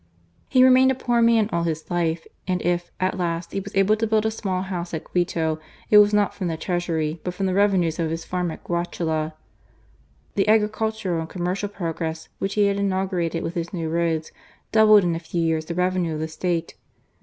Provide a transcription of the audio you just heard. He remained a poor man all his life ; and if, at last, he was able to build a small house at Quito, it was not B'om the Treasury, but from the revenues of his farm at Guachala. The agricultural and commercial progress which he had inaugurated with his new roads doubled in a few years the revenue of the State.